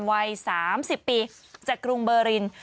วัยสามสิบปีจากกรุงเบอริน